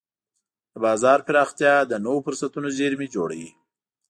د بازار پراختیا د نوو فرصتونو زېرمې جوړوي.